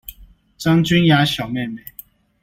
張君雅小妹妹